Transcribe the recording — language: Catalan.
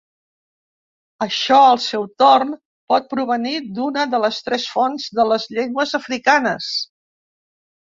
Això, al seu torn, pot provenir d'una de les tres fonts de les llengües africanes.